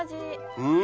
うん。